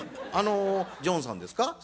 あのジョンさんですか